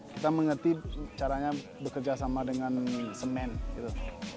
kita mengerti caranya bekerja sama dengan semen gitu